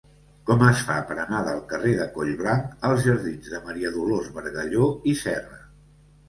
Com es fa per anar del carrer de Collblanc als jardins de Maria Dolors Bargalló i Serra?